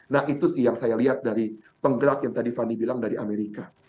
nah itu sih yang saya lihat dari penggerak yang tadi fani bilang dari amerika